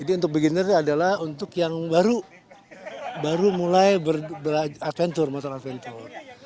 jadi untuk beginner adalah untuk yang baru baru mulai adventure motor adventure